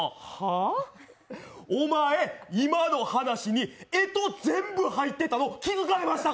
お前、今の話にえと全部入ってたの気付かれました？